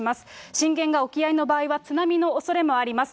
震源が沖合の場合は、津波のおそれもあります。